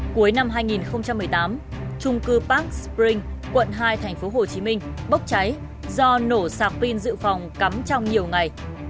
cuối năm hai nghìn một mươi tám trung cư park bring quận hai tp hcm bốc cháy do nổ sạc pin dự phòng cắm trong nhiều ngày